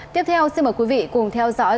tiếp theo xin mời quý vị cùng theo dõi